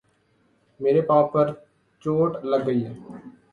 میرے پاؤں پر چوٹ لگ گئی ہے